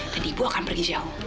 dan ibu akan pergi jauh